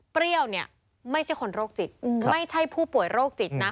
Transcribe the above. เปรี้ยวเนี่ยไม่ใช่คนโรคจิตไม่ใช่ผู้ป่วยโรคจิตนะ